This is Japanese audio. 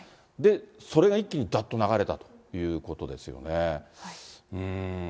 それが一気にだっと流れたということなんですよね。